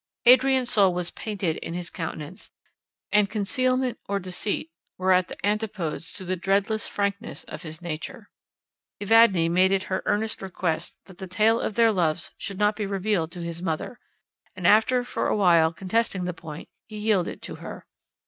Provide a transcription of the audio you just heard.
Adrian's soul was painted in his countenance, and concealment or deceit were at the antipodes to the dreadless frankness of his nature. Evadne made it her earnest request that the tale of their loves should not be revealed to his mother; and after for a while contesting the point, he yielded it to her.